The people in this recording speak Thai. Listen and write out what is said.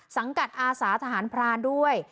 สังกัดอาสาทหารพรานด้วย